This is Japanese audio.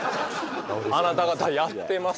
あなた方やってますか？